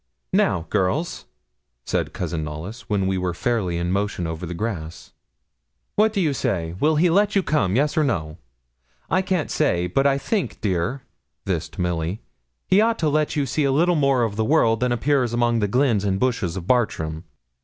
'Now, girls!' said Cousin Knollys, when we were fairly in motion over the grass, 'what do you say will he let you come yes or no? I can't say, but I think, dear,' this to Milly 'he ought to let you see a little more of the world than appears among the glens and bushes of Bartram.